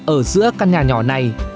ở giữa căn nhà nhỏ này